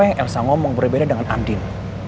apa yang elsa ngomong berbeda dengan andin